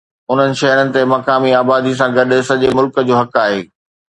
انهن شهرن تي مقامي آبادي سان گڏ سڄي ملڪ جو حق آهي.